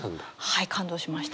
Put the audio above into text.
はい感動しましたね。